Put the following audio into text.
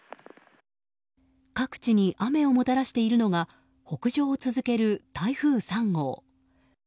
各地に雨をもたらしているのは北上を続ける台風３号。